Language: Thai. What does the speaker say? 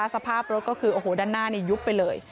สภาพรถก็คือด้านหน้ายุบไปเลย